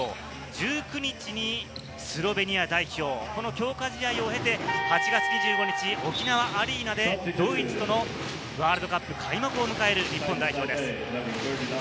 １９日にスロベニア代表、この強化試合を経て８月２５日、沖縄アリーナでドイツとのワールドカップ開幕を迎える日本代表です。